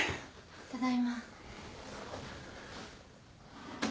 ただいま。